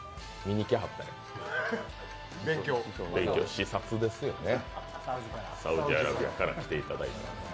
視察ですよね、サウジアラビアから来ていただいた。